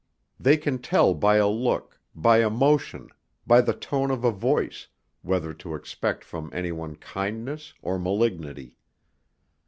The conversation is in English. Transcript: They can tell by a look, by a motion, by the tone of a voice, whether to expect from anyone kindness or malignity.